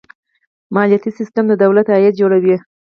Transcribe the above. مالیاتي سیستم د دولت عاید جوړوي.